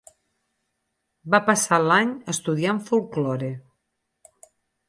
Va passar l'any estudiant folklore.